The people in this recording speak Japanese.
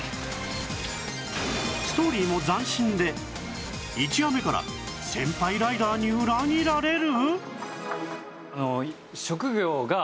ストーリーも斬新で１話目から先輩ライダーに裏切られる！？